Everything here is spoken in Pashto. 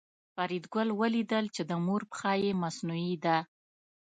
فریدګل ولیدل چې د مور پښه یې مصنوعي ده